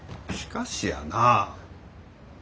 しかしやなあ。